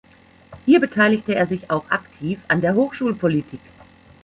Hier beteiligte er sich auch aktiv an der Hochschulpolitik.